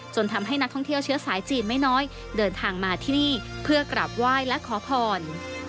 ทำให้นักท่องเที่ยวเชื้อสายจีนไม่น้อยเดินทางมาที่นี่เพื่อกราบไหว้และขอพร